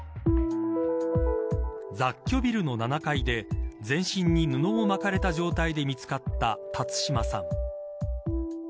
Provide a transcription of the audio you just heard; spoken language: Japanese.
雑居ビルの７階で全身に布を巻かれた状態で見つかった辰島さん。